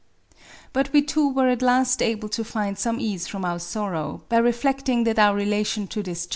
But we two ^ere at last able to find some ease from our soiXp:^Jtgu^eflecting, th^t our relation to this rhi.